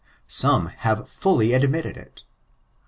Some have fully admitted it.